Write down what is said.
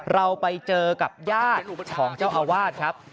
เราไปเจอกับญาติของเจ้าอาวาสครับ